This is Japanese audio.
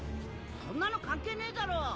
そんなの関係ねえだろ。